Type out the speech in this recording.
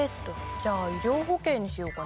じゃあ医療保険にしようかな。